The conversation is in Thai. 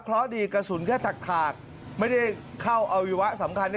เพราะดีกระสุนแค่ถักไม่ได้เข้าอวัยวะสำคัญ